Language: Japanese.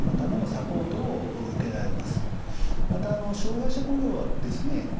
また障害者雇用はですね